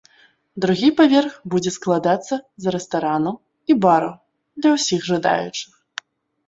Другі паверх будзе складацца з рэстарану і бару для ўсіх жадаючых.